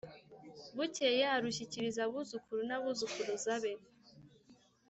bukeye arushyikiriza abuzukuru n'abuzukuruza be